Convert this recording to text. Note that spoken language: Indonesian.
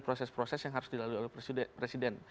proses proses yang harus dilalui oleh presiden